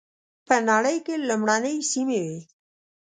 په نړۍ کې لومړنۍ سیمې وې.